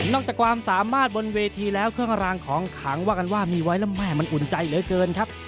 จากความสามารถบนเวทีแล้วเครื่องรางของขังว่ากันว่ามีไว้แล้วแม่มันอุ่นใจเหลือเกินครับ